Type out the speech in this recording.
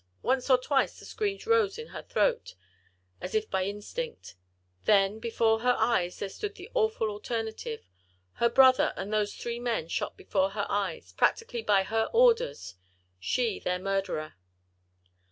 Once or twice the screams rose to her throat—as if by instinct: then, before her eyes there stood the awful alternative: her brother and those three men shot before her eyes, practically by her orders: she their murderer.